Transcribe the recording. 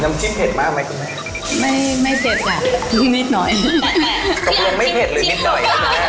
น้ำชิ้นเผ็ดมากไหมคุณมีไม่ปึ้งไม่เจ็บแหละเปลี่ยนนิดหน่อย